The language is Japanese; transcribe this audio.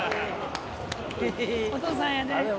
お父さんやで。